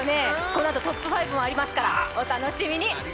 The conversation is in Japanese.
このあとトップ５もありますから、お楽しみに！